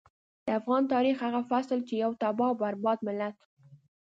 د افغان تاريخ هغه فصل چې يو تباه او برباد ملت.